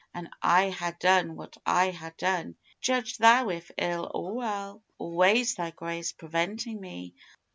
An' I ha' done what I ha' done judge Thou if ill or well Always Thy Grace preventin' me....